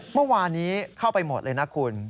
เมื่อวานนี้เข้าไปหมดเลยนะคุณ